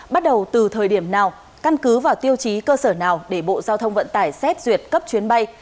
bắt đầu từ thời điểm nào căn cứ vào tiêu chí cơ sở nào để bộ giao thông vận tải xét duyệt cấp chuyến bay